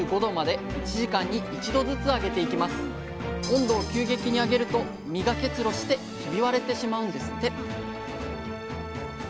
温度を急激に上げると実が結露してひび割れてしまうんですって